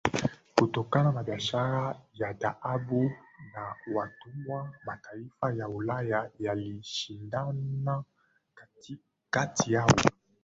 Kutokana na biashara ya dhahabu na watumwa mataifa ya Ulaya yalishindana kati yao